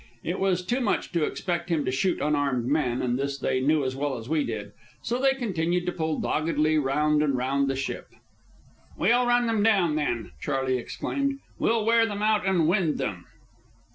It was too much to expect him to shoot unarmed men, and this they knew as well as we did; so they continued to pull doggedly round and round the ship. "We'll run them down, then!" Charley exclaimed. "We'll wear them out and wind them!"